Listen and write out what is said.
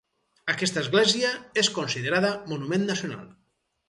Aquesta església és considerada Monument Nacional.